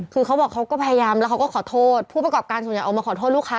คือเขาบอกเขาก็พยายามแล้วเขาก็ขอโทษผู้ประกอบการส่วนใหญ่ออกมาขอโทษลูกค้า